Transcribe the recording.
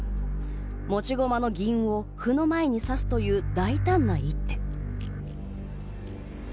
持ち駒の銀を歩の前に指すという大胆な一手。